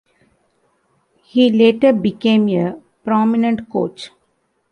He later became a prominent coach.